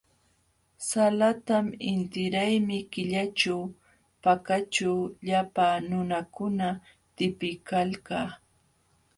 Salatam intiraymi killaćhu Pakaćhu llapa nunakuna tipiykalkan.